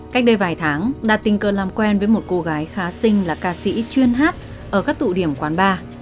cách đây vài tháng đạt tình cờ làm quen với một cô gái khá sinh là ca sĩ chuyên hát ở các tụ điểm quán bar